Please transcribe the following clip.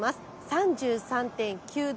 ３３．９度。